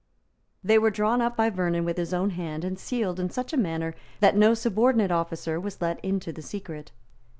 They were drawn up by Vernon with his own hand, and sealed in such a manner that no subordinate officer was let into the secret.